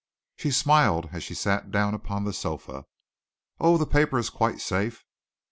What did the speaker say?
She smiled as she sat down upon the sofa. "Oh, the paper is quite safe."